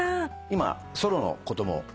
今ソロのことも。